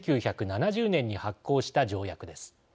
１９７０年に発効した条約です。